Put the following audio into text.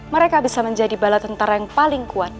mereka bisa menjadi bala tentara yang paling kuat